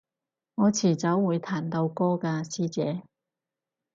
我遲早會彈到歌㗎師姐